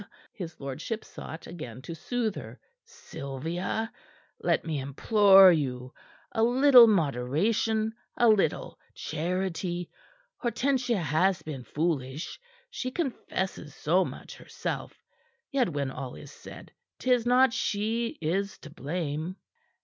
his lordship sought again to soothe her. "Sylvia, let me implore you! A little moderation! A little charity! Hortensia has been foolish. She confesses so much, herself. Yet, when all is said, 'tis not she is to blame."